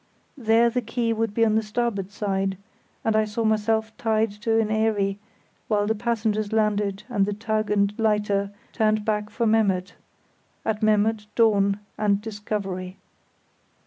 There the quay would be on the starboard side, and I saw myself tied to my eyrie while the passengers landed and the tug and lighter turned back for Memmert; at Memmert, dawn, and discovery.